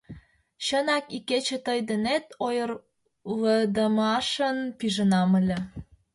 Чынак, икече тый денет ойырлыдымашын пижынам ыле...